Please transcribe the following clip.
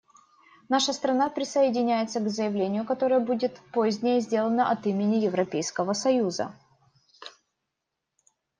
Наша страна присоединяется к заявлению, которое будет позднее сделано от имени Европейского союза.